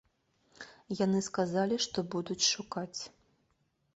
Яны сказалі, што будуць шукаць.